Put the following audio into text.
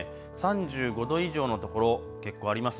３５度以上の所、結構あります。